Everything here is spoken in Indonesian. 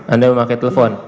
anda memakai telepon